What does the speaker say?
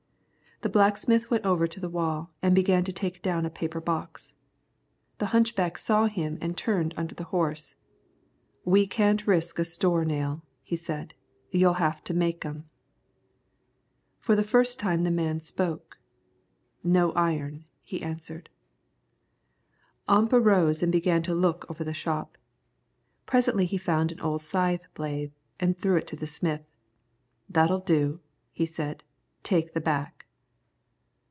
The blacksmith went over to the wall, and began to take down a paper box. The hunchback saw him and turned under the horse. "We can't risk a store nail," he said. "You'll have to make 'em." For the first time the man spoke. "No iron," he answered. Ump arose and began to look over the shop. Presently he found an old scythe blade and threw it to the smith. "That'll do," he said; "take the back."